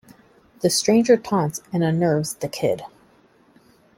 The Stranger taunts and unnerves The Kid.